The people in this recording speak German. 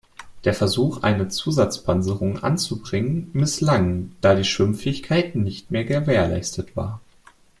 Der Versuch, eine Zusatzpanzerung anzubringen misslang, da die Schwimmfähigkeit nicht mehr gewährleistet war.